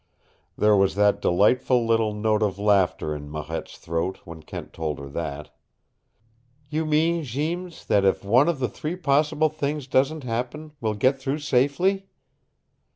There was that delightful little note of laughter in Marette's throat when Kent told her that. "You mean, Jeems, that if one of three possible things doesn't happen, we'll get through safely?"